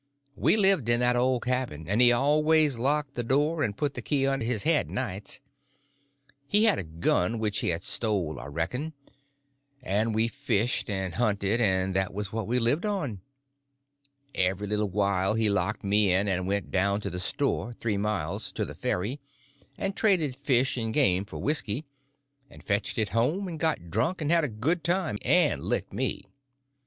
We lived in that old cabin, and he always locked the door and put the key under his head nights. He had a gun which he had stole, I reckon, and we fished and hunted, and that was what we lived on. Every little while he locked me in and went down to the store, three miles, to the ferry, and traded fish and game for whisky, and fetched it home and got drunk and had a good time, and licked me.